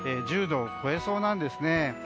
１０度を超えそうなんですね。